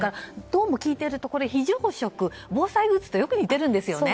どうも聞いていると非常食、防災グッズとよく似ていますね。